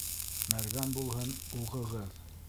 Мәргән булһын уғығыҙ;